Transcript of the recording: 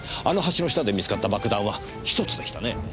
あの橋の下で見つかった爆弾は１つでしたね？